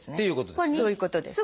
そういうことです。